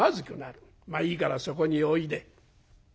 まあいいからそこにおいで」。